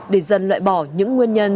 để dân loại bỏ những nguyên nhân